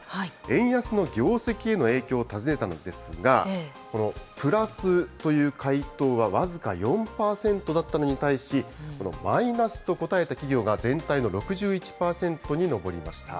円安の業績への影響を尋ねたのですが、このプラスという回答は、僅か４％だったのに対し、このマイナスと答えた企業が全体の６１％に上りました。